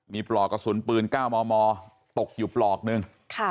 มีปลอกกระสุนปืน๙มมตกอยู่ปลอกนึง